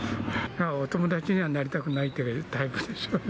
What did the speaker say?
お友達にはなりたくないってタイプですよね。